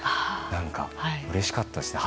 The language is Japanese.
何かうれしかったですね。